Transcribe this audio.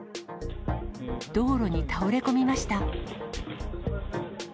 道路に倒れ込みました。